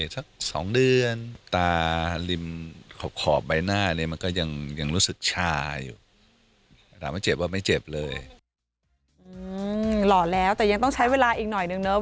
หล่อแล้วแต่ยังต้องใช้เวลาอีกหน่อยนึงเนาะ